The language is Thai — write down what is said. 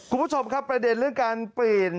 คุณผู้ชมครับประเด็นเรื่องการเปลี่ยน